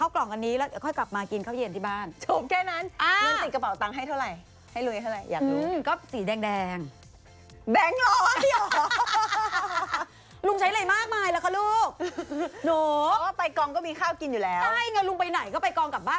ก็นุ้ยใช้ไง